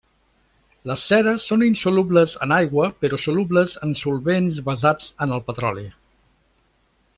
Les ceres són insolubles en aigua però solubles en solvents basats en el petroli.